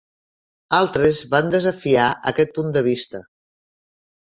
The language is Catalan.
Altres van desafiar aquest punt de vista.